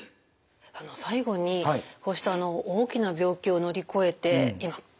最後にこうした大きな病気を乗り越えて今元気でいらっしゃる。